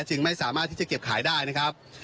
จึงไม่สามารถที่จะเก็บขายได้นะครับ